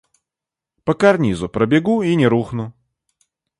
По карнизу пробегу и не рухну.